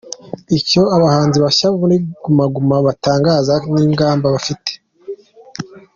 Icyo abahanzi bashya muri Guma Guma batangaza n’ingamba bafite :.